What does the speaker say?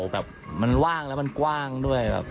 แบบมันว่างแล้วมันกว้างด้วยครับ